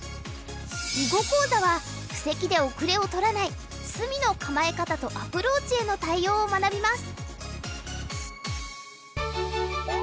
囲碁講座は布石で後れを取らない隅の構え方とアプローチへの対応を学びます。